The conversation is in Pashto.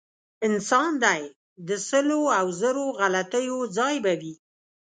انسان دی د سلو او زرو غلطیو ځای به وي.